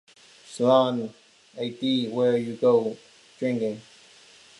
Saloon - A deed where you go drinkin'.